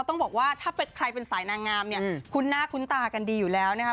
ต้องบอกว่าถ้าใครเป็นสายนางงามเนี่ยคุ้นหน้าคุ้นตากันดีอยู่แล้วนะครับ